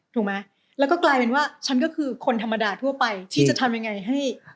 ถูกไหมแล้วก็กลายเป็นว่าฉันก็คือคนธรรมดาทั่วไปที่จะทำยังไงให้